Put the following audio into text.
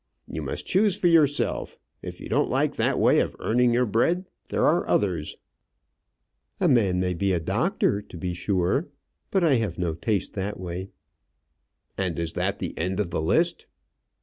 You must choose for yourself. If you don't like that way of earning your bread, there are others." "A man may be a doctor, to be sure; but I have no taste that way." "And is that the end of the list?"